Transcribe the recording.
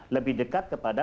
lebih dekat kepada